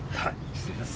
失礼します。